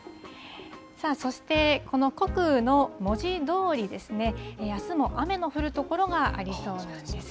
そして、この穀雨の文字どおりですね、あすも雨の降る所がありそうなんです。